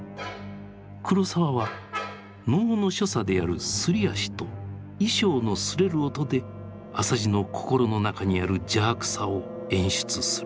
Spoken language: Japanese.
黒澤は能の所作であるすり足と衣装のすれる音で浅茅の心の中にある邪悪さを演出する。